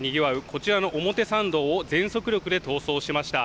こちらの表参道を全速力で逃走しました。